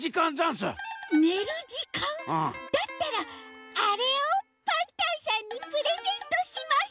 ねるじかん？だったらあれをパンタンさんにプレゼントします。